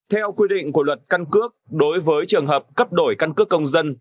theo quy định của luật căn cước đối với trường hợp cấp đổi căn cước công dân